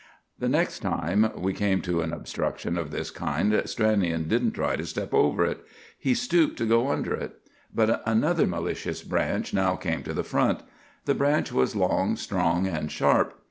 The next time we came to an obstruction of this kind Stranion didn't try to step over it. He stooped to go under it. But another malicious branch now came to the front. The branch was long, strong, and sharp.